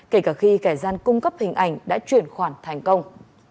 kể cả khi kẻ gian cung cấp hình ảnh đã chuyển khoản thành công